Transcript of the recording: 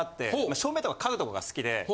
照明とか家具とかが好きで。